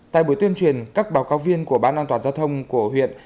tại buổi tuyên truyền các báo cáo viên của ban an toàn giao thông của huyện